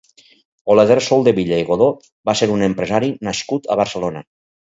Oleguer Soldevila i Godó va ser un empresari nascut a Barcelona.